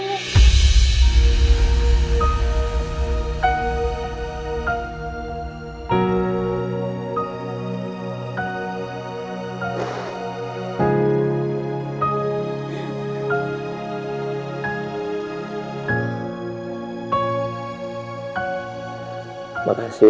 dan menangkan diri